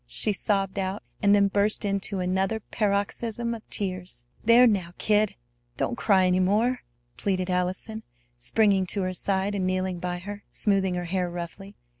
she sobbed out, and then burst into another paroxysm of tears. "There! Now, kid! Don't cry any more!" pleaded Allison, springing to her side and kneeling by her, smoothing her hair roughly.